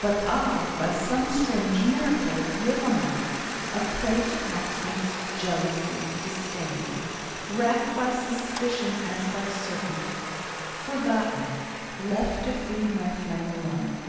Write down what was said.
But I, by some strange miracle, live on A prey to absence, jealousy, disdain; Racked by suspicion as by certainty; Forgotten, left to feed my flame alone.